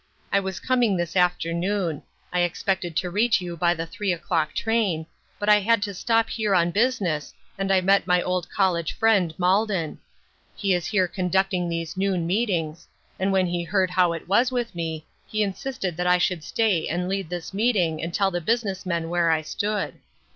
I was coming this afternoon ; I expected to reach you by the three o'clock train, but I had to stop here on busi ness, and I met my old college friend, Maiden ; he is here conducting these noon meetings ; and when he heard how it was with me, he insisted that I should stay and lead this meeting and tell the business men where I stood.